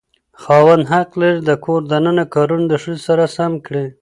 خاوند حق لري د کور دننه کارونه د ښځې سره سم کړي.